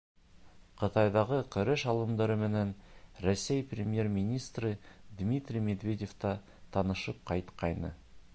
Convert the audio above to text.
Ҡытайҙағы көрәш алымдары менән Рәсәй Премьер-министры Дмитрий Медведев та танышып ҡайтҡайны.